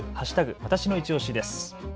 わたしのいちオシです。